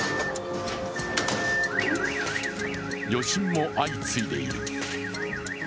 余震も相次いでいる。